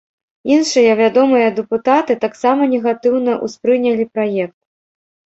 Іншыя вядомыя дэпутаты таксама негатыўна ўспрынялі праект.